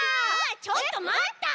ちょっとまった！